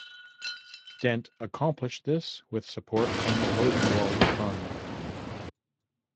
Dent accomplished this with support from the Rosenwald Fund.